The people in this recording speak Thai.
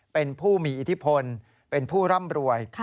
เป็นผู้มีอิทธิพลเป็นผู้ร่ำรวย